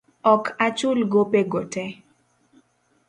Ok achul gopego te.